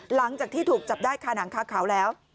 หลังจากที่ถูกจับได้คาหนังคาขาวแล้ว